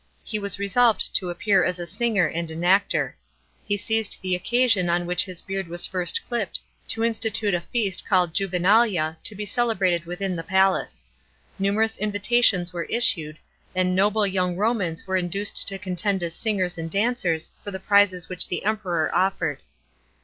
He was resolved to appear as a singer and an actor. He seized the occasion on which his beard was first clipped to institute a feast called Juvenalia, to be celebrated within the palace. Numerous invitations were issued, and noble young Romans were induced to contend as singers and dancers for the prizes which the Emperor offered.